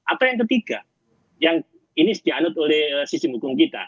atau yang ketiga yang ini dianut oleh sistem hukum kita